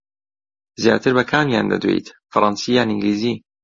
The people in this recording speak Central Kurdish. زیاتر بە کامیان دەدوێیت، فەڕەنسی یان ئینگلیزی؟